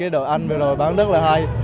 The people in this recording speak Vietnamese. đội anh bây giờ bán rất là hay